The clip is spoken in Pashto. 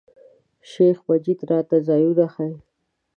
شیخ مجید راته ځایونه ښیي.